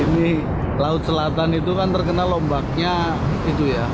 ini laut selatan itu kan terkenal ombaknya itu ya